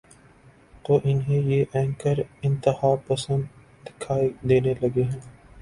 تو انہیں یہ اینکر انتہا پسند دکھائی دینے لگے ہیں۔